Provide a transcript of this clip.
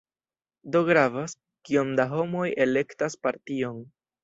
Do gravas, kiom da homoj elektas partion.